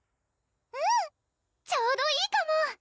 うんちょうどいいかも！